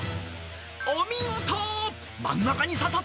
お見事。